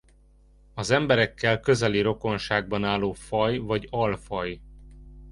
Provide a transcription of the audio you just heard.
Az emberekkel közeli rokonságban álló faj vagy alfaj.